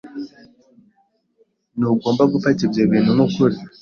Ntugomba gufata ibyo bintu nkukuri.